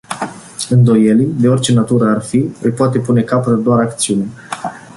Îndoielii, de orice natură ar fi, îi poate pune capăt doar acțiunea.